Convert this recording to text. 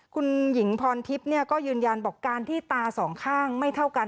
คุณหญิงพรทิพย์ก็ยืนยันบอกการที่ตาสองข้างไม่เท่ากัน